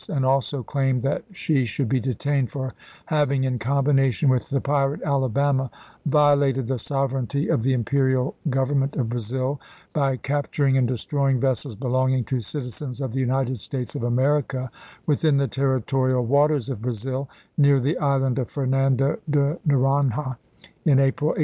vl and also claimed that she should be detained for having, " in combination with the pirate Alabama, violated the sovereignty of the Imperial Govern ment of Brazil by capturing and destroying vessels belonging to citizens of the United States of Amer ica within the territorial waters of Brazil, near the island of Fernando de Noronha, in April, 1863."